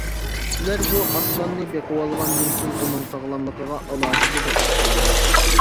سىلەر بۇ ئاسلاننى بېقىۋالغاندىن كېيىن ئۇنىڭ ساغلاملىقىغا ئالاھىدە دىققەت قىلىڭلار.